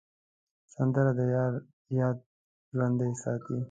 سندره د یار یاد ژوندی ساتي